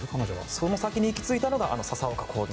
その先に行き着いたのが笹岡コーチ。